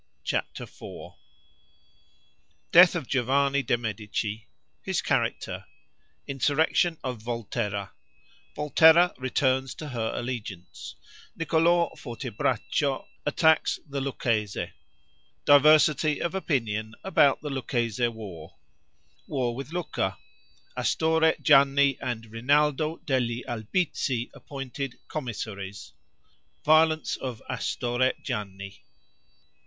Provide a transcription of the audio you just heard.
CHAPTER IV Death of Giovanni de' Medici His character Insurrection of Volterra Volterra returns to her allegiance Niccolo Fortebraccio attacks the Lucchese Diversity of opinion about the Lucchese war War with Lucca Astore Gianni and Rinaldo degli Albizzi appointed commissaries Violence of Astorre Gianni.